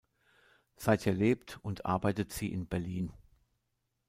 Seither lebt und arbeitet sie in Berlin.